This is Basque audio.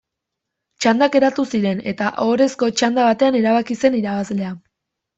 Txandak eratu ziren eta ohorezko txanda batean erabaki zen irabazlea.